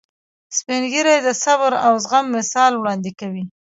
سپین ږیری د صبر او زغم مثال وړاندې کوي